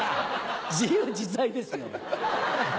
自由自在ですよ。